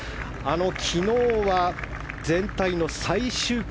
昨日は全体の最終組。